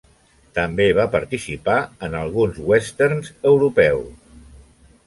També va participar en alguns westerns europeus.